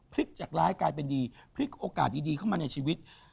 จากร้ายกลายเป็นดีพลิกโอกาสดีเข้ามาในชีวิต